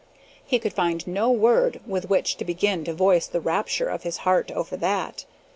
He could find no word with which to begin to voice the rapture of his heart over that.